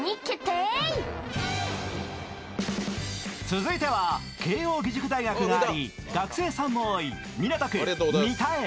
続いては慶応義塾大学があり学生さんも多い港区三田へ。